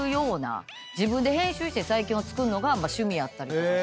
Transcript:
自分で編集して最近は作んのが趣味やったりとかして。